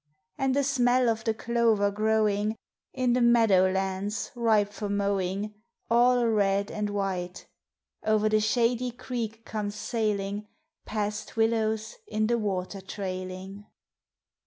And a smell of the clover growing In the meadow lands ripe for mowing, All red and white. Over the shady creek comes sailing, Past willows in the water trailing.